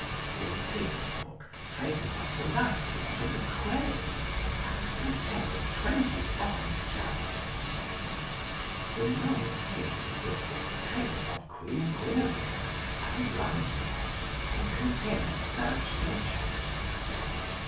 The eighteenth book treateth of Sir Lancelot and the Queen, and containeth 25 chapters. The nineteenth book treateth of Queen Guinevere, and Lancelot, and containeth 13 chapters.